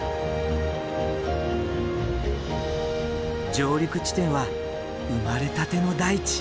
上陸地点は生まれたての大地